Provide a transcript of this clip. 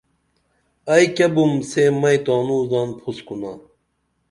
ائی کیہ بُم سے مئی تانوں زان پُھس کُنا